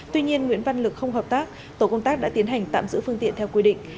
tuy nhiên nguyễn văn lực không hợp tác tổ công tác đã tiến hành tạm giữ phương tiện theo quy định